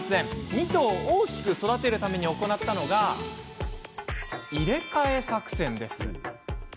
２頭を大きく育てるために行ったのが入れ替え作戦。